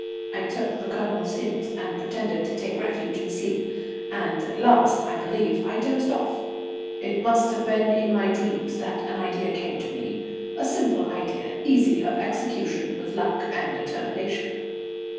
I took the Colonel's hint, and pretended to take refuge in sleep, and at last, I believe, I dozed off. It must have been in my dreams that an idea came to me, a simple idea, easy of execution with luck and determination.